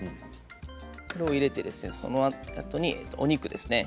これを入れてそのあとにお肉ですね。